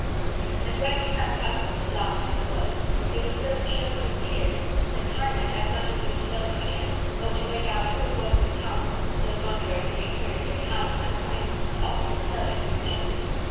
And when he found utterance at last to his words, they were so choked with tears that Timon had much ado to know him again, or to make out who it was that had come (so contrary to the experience he had had of mankind) to offer him service in extremity.